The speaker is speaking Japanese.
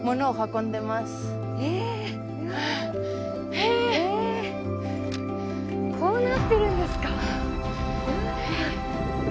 へえこうなってるんですか。